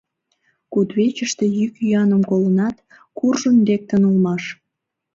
Кудывечыште йӱк-йӱаным колынат, куржын лектын улмаш.